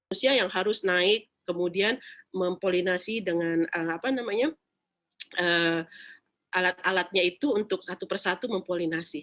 usia yang harus naik kemudian mempolinasi dengan alat alatnya itu untuk satu persatu mempolinasi